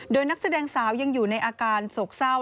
โดยนักแสดงสาวยังอยู่ในอาการโศกเศร้า